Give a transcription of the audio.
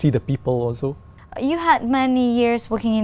vì tôi có thể ngồi xuống